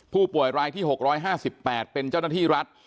ผู้ป่วยรายที่๖๕๘เป็นเจ้าหน้าที่รัฐ